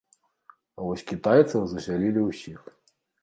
А вось кітайцаў засялілі ўсіх.